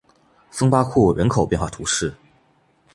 松巴库人口变化图示